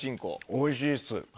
おいしいです